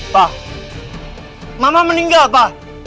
pa mama meninggal pa